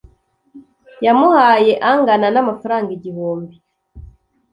yamuhaye angana n’ amafaranga igihumbi .